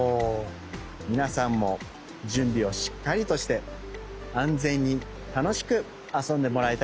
みなさんもじゅんびをしっかりとして安全にたのしくあそんでもらいたいとおもいます。